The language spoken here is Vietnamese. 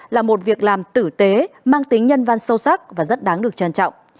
là một việc làm tử tế mang tính nhân văn sâu sắc và rất đáng được trân trọng